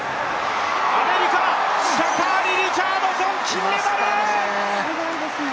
アメリカ、シャカリ・リチャードソン金メダル！